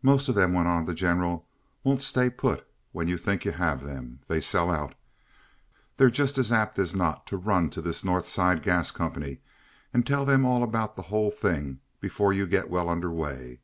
"Most of them," went on the General, "won't stay put when you think you have them. They sell out. They're just as apt as not to run to this North Side Gas Company and tell them all about the whole thing before you get well under way.